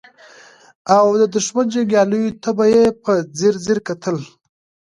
او د دښمن جنګياليو ته به يې په ځير ځير کتل.